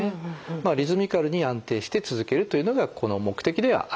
まあリズミカルに安定して続けるというのがこの目的ではありますから。